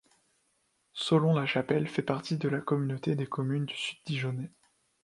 Saulon-la-Chapelle fait partie de la communauté de communes du Sud Dijonnais.